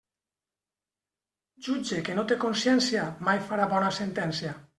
Jutge que no té consciència, mai farà bona sentència.